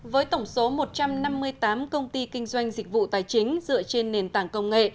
với tổng số một trăm năm mươi tám công ty kinh doanh dịch vụ tài chính dựa trên nền tảng công nghệ